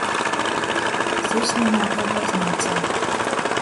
Sirsneņā kai bazneicā.